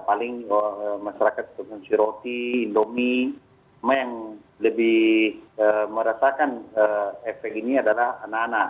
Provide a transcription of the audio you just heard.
paling masyarakat seperti roti indomie yang lebih merasakan efek ini adalah anak anak